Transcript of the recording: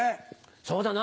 そうだな。